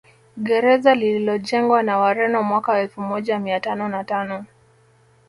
Gereza lililojengwa na Wareno mwaka elfu moja mia tano na tano